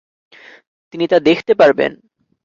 তিনি তা দেখতে পারবেন।